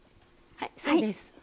はいそうです。